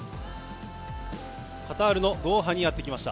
カタールのドーハにやってきました。